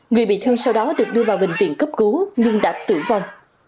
người bị thương sau đó được đưa vào bệnh viện cấp cứu nhưng đã tử vong